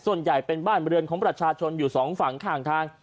ส่วนใหญ่เป็นบ้านบริเวณของประชาชนอยู่สองฝั่งข้างทาง